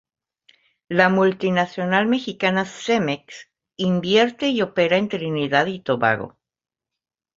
La multinacional mexicana Cemex invierte y opera en Trinidad y Tobago.